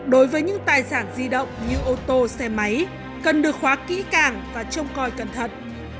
đối với những tài sản di động như ô tô xe máy cần được khóa kỹ càng và trông coi cẩn thận